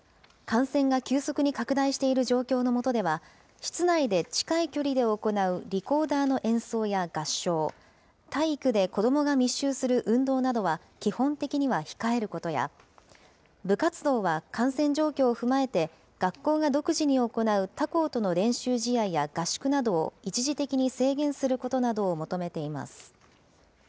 感染が急速に拡大している状況のもとでは、室内で近い距離で行うリコーダーの演奏や合唱、体育で子どもが密集する運動などは基本的には控えることや、部活動は感染状況を踏まえて、学校が独自に行う他校との練習試合や合宿などを一時的に制限することなどを求めています。